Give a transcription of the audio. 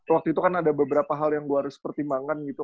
waktu itu kan ada beberapa hal yang gue harus pertimbangkan gitu